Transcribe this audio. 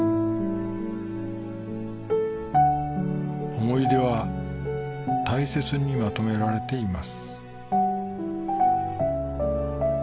思い出は大切にまとめられています